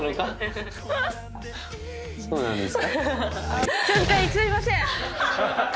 そうなんですか？